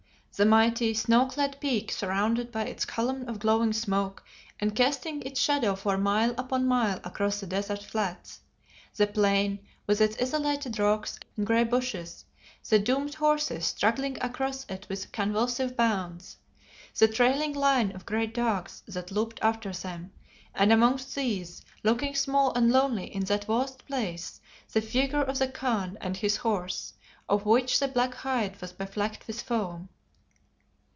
The mighty, snow clad Peak surmounted by its column of glowing smoke and casting its shadow for mile upon mile across the desert flats; the plain with its isolated rocks and grey bushes; the doomed horses struggling across it with convulsive bounds; the trailing line of great dogs that loped after them, and amongst these, looking small and lonely in that vast place, the figure of the Khan and his horse, of which the black hide was beflecked with foam.